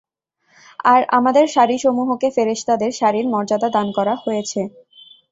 আর আমাদের সারিসমূহকে ফেরেশতাদের সারির মর্যাদা দান করা হয়েছে।